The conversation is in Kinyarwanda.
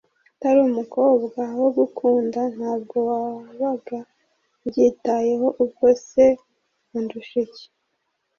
atari umukobwa wo gukunda ntabwo wabaga ubyitayeho ubwo se andushiki